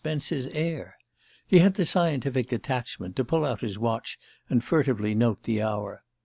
Spence's heir! He had the scientific detachment to pull out his watch and furtively note the hour.